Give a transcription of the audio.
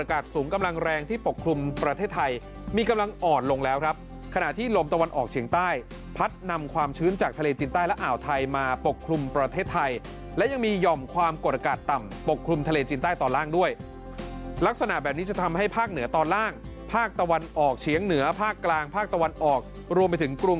สูงกำลังแรงที่ปกคลุมประเทศไทยมีกำลังอ่อนลงแล้วครับขณะที่ลมตะวันออกเฉียงใต้พัดนำความชื้นจากทะเลจีนใต้และอ่าวไทยมาปกคลุมประเทศไทยและยังมีหย่อมความกดอากาศต่ำปกคลุมทะเลจีนใต้ตอนล่างด้วยลักษณะแบบนี้จะทำให้ภาคเหนือตอนล่างภาคตะวันออกเฉียงเหนือภาคกลางภาคตะวันออกรวมไปถึงกรุง